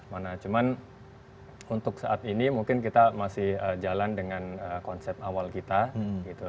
mana cuman untuk saat ini mungkin kita masih jalan dengan konsep awal kita gitu